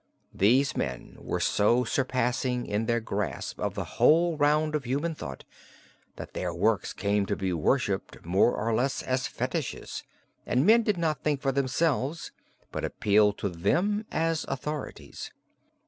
These men were so surpassing in their grasp of the whole round of human thought, that their works came to be worshiped more or less as fetishes, and men did not think for themselves but appealed to them as authorities.